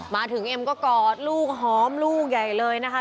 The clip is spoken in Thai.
เอ็มก็กอดลูกหอมลูกใหญ่เลยนะคะ